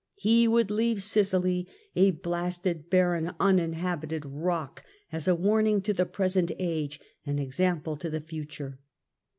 He would leave Sicily a blasted, barren unin habited rock, as a warning to the present age, an example to the future."